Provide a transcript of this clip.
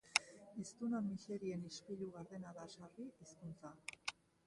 Hiztunon miserien ispilu gardena da sarri hizkuntza.